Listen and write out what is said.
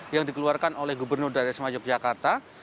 yang dikeluarkan oleh gubernur dari sema yogyakarta